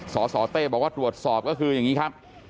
สสเต้บอกว่าตรวจสอบก็คืออย่างนี้ครับ